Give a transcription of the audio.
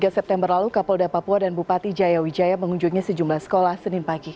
tiga september lalu kapolda papua dan bupati jaya wijaya mengunjungi sejumlah sekolah senin pagi